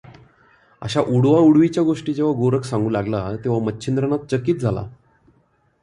अशा उडवाउडवीच्या गोष्टी जेव्हा गोरख सांगू लागला तेव्हा मच्छिंद्रनाथ चकित झाला.